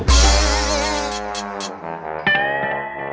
kehendaknya udah berakhir